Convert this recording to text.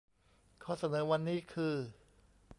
ข้อเสนอวันนี้คือ